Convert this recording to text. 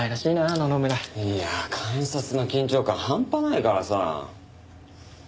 いや監察の緊張感ハンパないからさ。